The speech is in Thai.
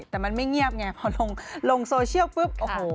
แต่มันไม่เงียบไงพอลงโซเชียลปุ๊บโอ้โห